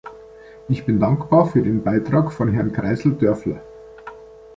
Ich bin dankbar für den Beitrag von Herrn Kreissl-Dörfler.